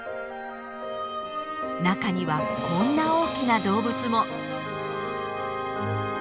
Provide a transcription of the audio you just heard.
中にはこんな大きな動物も。